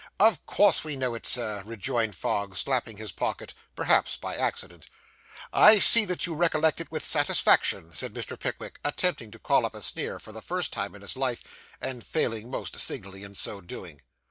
'Of course we know it, Sir,' rejoined Fogg, slapping his pocket perhaps by accident. 'I see that you recollect it with satisfaction,' said Mr. Pickwick, attempting to call up a sneer for the first time in his life, and failing most signally in so doing.